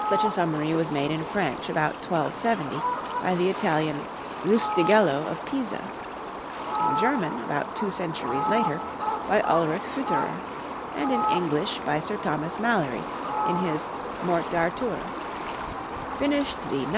Such a summary was made in French about 1270, by the Italian Rustighello of Pisa; in German, about two centuries later, by Ulrich Füterer; and in English by Sir Thomas Malory in his 'Morte d'Arthur,' finished "the ix.